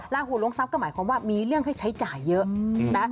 ลาหูล้วงทรัพย์ก็หมายความว่ามีเรื่องให้ใช้จ่ายเยอะนะ